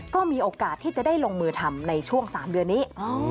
ก็มีโอกาสที่จะได้ลงมือทำในช่วง๓เดือนนี้